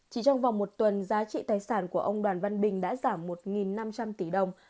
chỉ trong vòng một tuần giá trị tài sản của ông đoàn văn bình đã giảm một năm trăm linh tỷ đồng